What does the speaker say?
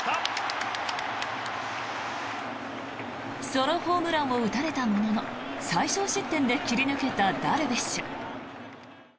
ソロホームランを打たれたものの最少失点で切り抜けたダルビッシュ。